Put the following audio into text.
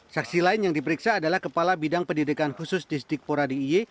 saksi lain yang diperiksa adalah kepala bidang pendidikan khusus distrik poradi ie